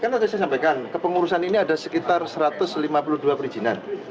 kan tadi saya sampaikan ke pengurusan ini ada sekitar satu ratus lima puluh dua perizinan